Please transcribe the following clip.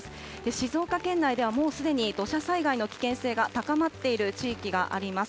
静岡県内ではもうすでに土砂災害の危険性が高まっている地域があります。